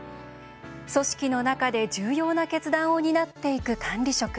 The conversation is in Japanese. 組織の中で重要な決断を担っていく管理職。